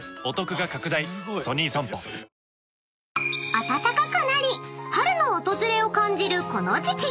［暖かくなり春の訪れを感じるこの時期］